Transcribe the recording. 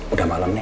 udah malem nih